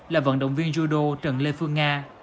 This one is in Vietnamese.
là vận động viên judo trần lê phương nga